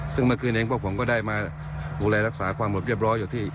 ซึ่งเมื่อคืนเองพวกผมก็ได้มาดูแลรักษาความหมดเรียบร้อยอยู่ที่